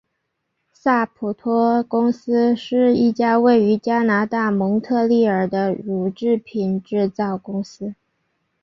萨普托公司是一家位于加拿大蒙特利尔的乳制品制造公司。